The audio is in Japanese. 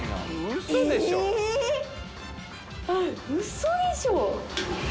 嘘でしょ？